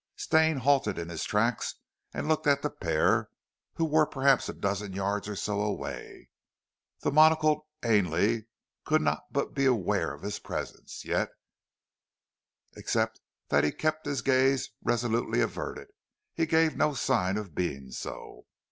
Stane halted in his tracks and looked at the pair who were perhaps a dozen yards or so away. The monocled Ainley could not but be aware of his presence, yet except that he kept his gaze resolutely averted, he gave no sign of being so.